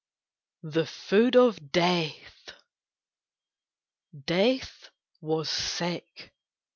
THE FOOD OF DEATH Death was sick.